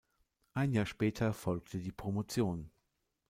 Ein Jahr später folgte die Promotion.